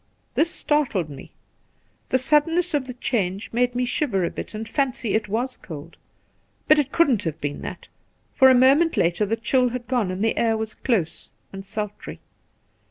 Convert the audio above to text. This startled me. The suddenness of the change made me shiver a bit and fancy it was cold ; but it couldn't have been that, for a moment later the chill had gone and the air was close and sultry.